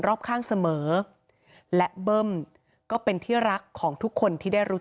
รอบข้างเสมอและเบิ้มก็เป็นที่รักของทุกคนที่ได้รู้